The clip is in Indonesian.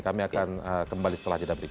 kami akan kembali setelah jeda berikut